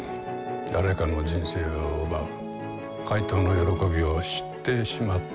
誰かの人生を奪う怪盗の喜びを知ってしまった者。